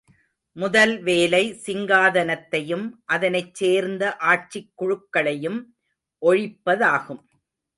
முதல் வேலை, சிங்காதனத்தையும் அதனைச் சேர்ந்த ஆட்சிக்குழுக்களையும் ஒழிப்பதாகும்.